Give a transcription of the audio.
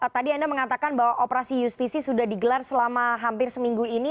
tadi anda mengatakan bahwa operasi justisi sudah digelar selama hampir seminggu ini